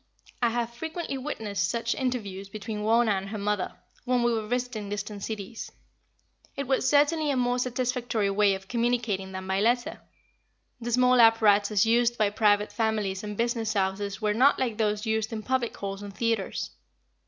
I have frequently witnessed such interviews between Wauna and her mother, when we were visiting distant cities. It was certainly a more satisfactory way of communicating than by letter. The small apparatus used by private families and business houses were not like those used in public halls and theaters.